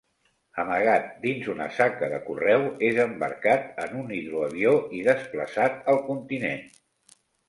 Amagat dins una saca de correu és embarcat en un hidroavió i desplaçat al continent.